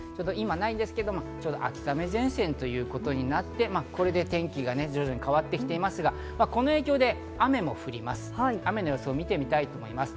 今ないんですが、秋雨前線ということになって、これで天気が徐々に変わってきていますが、この影響で雨も降ります。